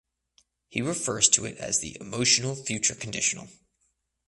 He refers to it as the "emotional future" conditional.